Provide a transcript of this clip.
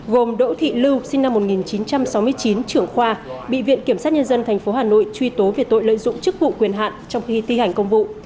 gồm đỗ thị lưu sinh năm một nghìn chín trăm sáu mươi chín trưởng khoa bị viện kiểm sát nhân dân tp hà nội truy tố về tội lợi dụng chức vụ quyền hạn trong khi thi hành công vụ